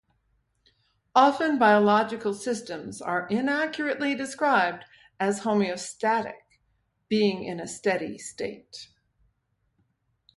Often biological systems are inaccurately described as homeostatic, being in a steady state.